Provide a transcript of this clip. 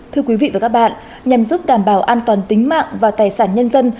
thưa quý vị và các bạn nhằm giúp đảm bảo an toàn tính mạng và tài sản nhân dân